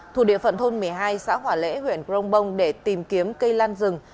thủ địa phận thôn một mươi hai xã hỏa lễ huyện crong bông để tìm kiếm cây lan rừng